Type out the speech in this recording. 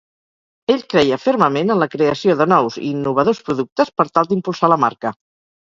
Ell creia fermament en la creació de nous i innovadors productes per tal d'impulsar la marca.